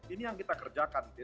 ini yang kita kerjakan gitu ya